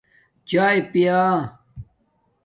چاݵے پییا